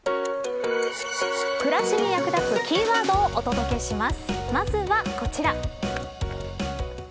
暮らしに役立つキーワードをお届けします。